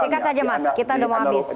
singkat saja mas kita udah mau habis